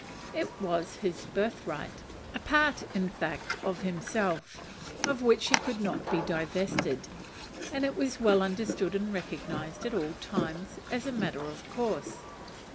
It was his birthright: a part, in fact, of himself, of which he could not be divested; and it was well understood and recognized at all times, as a matter of course.